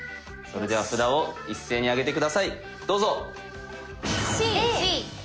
それでは札を一斉に上げて下さいどうぞ。